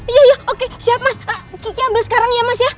iya ya oke siap mas kiki ambil sekarang ya mas ya